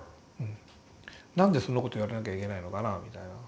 なんでそんなこと言われなきゃいけないのかなみたいな。